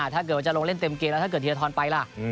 ถ้าเกิดว่าจะลงเล่นเต็มเกมแล้วถ้าเกิดธีรทรไปล่ะ